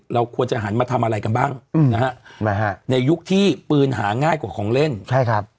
เราควรจะหันมาทำอะไรกันบ้างอืมนะฮะในยุคที่ปืนหาง่ายกว่าของเล่นใช่ครับ